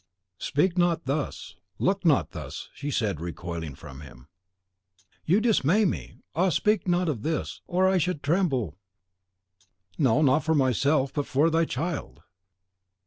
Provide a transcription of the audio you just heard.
"Speak not thus, look not thus," she said, recoiling from him. "You dismay me. Ah, speak not thus, or I should tremble, no, not for myself, but for thy child."